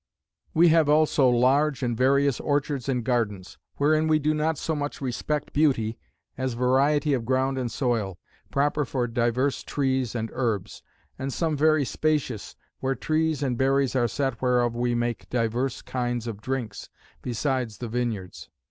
"We have also large and various orchards and gardens; wherein we do not so much respect beauty, as variety of ground and soil, proper for divers trees and herbs: and some very spacious, where trees and berries are set whereof we make divers kinds of drinks, besides the vineyards.